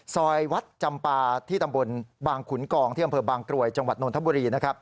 ซอยวัดจำปาที่ตำบลบางขุนกองที่อำเภอบางกรวยจังหวัดนทบุรี